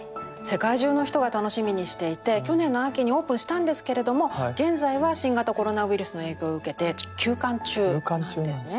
世界中の人が楽しみにしていて去年の秋にオープンしたんですけれども現在は新型コロナウイルスの影響を受けてちょっと休館中なんですね。